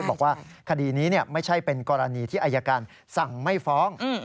บอกว่าคดีนี้ไม่ใช่เป็นกรณีที่อายการสั่งไม่ฟ้อง